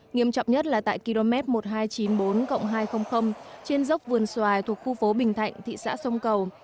nghiêm trọng nhất là tại km một nghìn hai trăm chín mươi bốn hai trăm linh trên dốc vườn xoài thuộc khu phố bình thạnh thị xã sông cầu